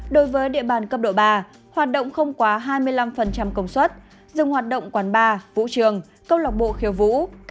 đối với địa bàn cấp độ ba hoạt động không quá hai mươi năm công suất dùng hoạt động quán bar vũ trường công lọc bộ khiều vũ